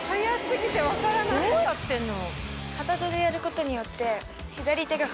どうやってんの？